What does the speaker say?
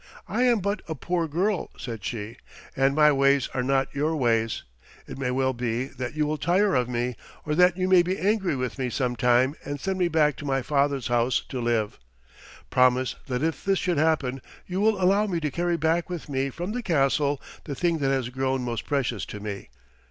"I am but a poor girl," said she, "and my ways are not your ways. It may well be that you will tire of me, or that you may be angry with me sometime, and send me back to my father's house to live. Promise that if this should happen you will allow me to carry back with me from the castle the thing that has grown most precious to me."